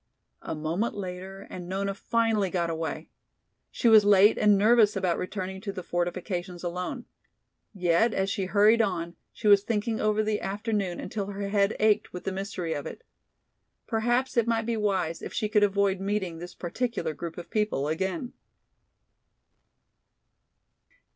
A moment later and Nona finally got away. She was late and nervous about returning to the fortifications alone. Yet as she hurried on she was thinking over the afternoon until her head ached with the mystery of it. Perhaps it might be wise if she could avoid meeting this particular group of people again.